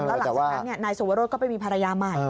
แล้วหลังจากนั้นนายสุวรสก็ไปมีภรรยาใหม่